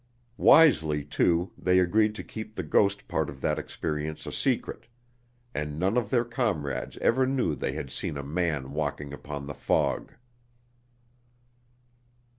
Wisely, too, they agreed to keep the ghost part of that experience a secret, and none of their comrades ever knew they had seen a man walking upon the fog.